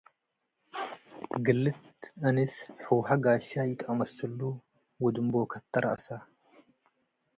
ግለት አንስ ሑሀ ጋሻይ ኢትአመስሉ ወድምቦከተረአሰ።